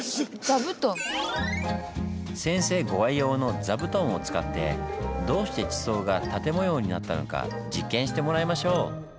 先生ご愛用の座布団を使ってどうして地層が縦模様になったのか実験してもらいましょう！